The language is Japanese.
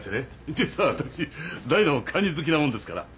実はわたし大のカニ好きなもんですから。